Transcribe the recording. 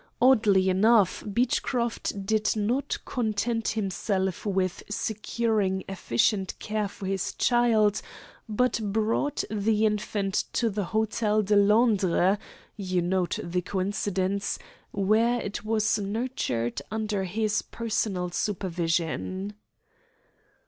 Oddly enough, Beechcroft did not content himself with securing efficient care for his child, but brought the infant to the Hotel de Londres you note the coincidence where it was nurtured under his personal supervision."